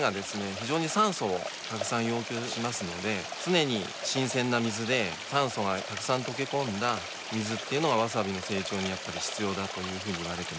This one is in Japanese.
非常に酸素をたくさん要求しますので常に新鮮な水で酸素がたくさん溶け込んだ水っていうのがわさびの成長にやっぱり必要だというふうにいわれてます。